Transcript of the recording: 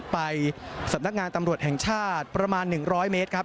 ไปสำนักงานตำรวจแห่งชาติประมาณ๑๐๐เมตรครับ